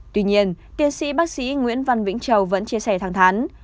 tuy nhiên tiến sĩ bác sĩ nguyễn văn vĩnh châu vẫn chia sẻ thẳng thắn